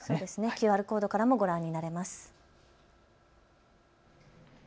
ＱＲコードからもご覧になれます。